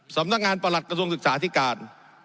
สำนักงานประหลัดกระทรวงศึกษาธิการ